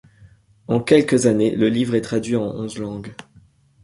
En quelques années, le livre est traduit en onze langues.